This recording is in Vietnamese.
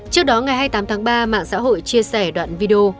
trước đó ngày hai mươi tám tháng ba mạng xã hội chia sẻ đoạn video